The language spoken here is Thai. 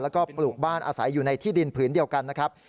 แล้วก็ปลูกบ้านอาศัยอยู่ในที่ดินผืนเดียวกันนะครับ